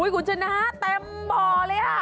กูจะนะเต็มบ่อเลย